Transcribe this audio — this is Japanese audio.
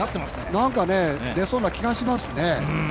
何か出そうな気がしますね。